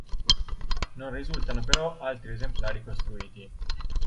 Non risultano però altri esemplari costruiti.